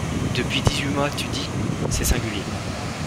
Depuis dix-huit mois, tu dis ? c’est singulier !…